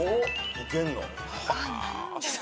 いけんの？